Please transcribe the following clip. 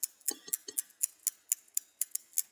დაამთავრა სან-ფრანცისკოს შტატის უნივერსიტეტი.